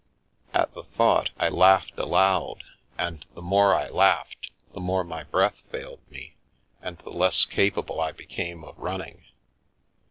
At the thought I laughed aloud, and the more I laughed the more my breath failed me, and the less capable I became of running.